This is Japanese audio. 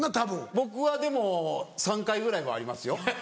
僕はでも３回ぐらいはありますよ。